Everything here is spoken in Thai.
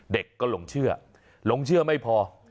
เด็กก็หลงเชื่อหลงเชื่อไม่พอ